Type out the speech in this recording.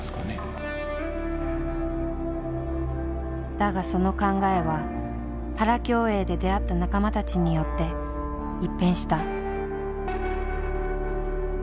だがその考えはパラ競泳で出会った仲間たちによって一変した。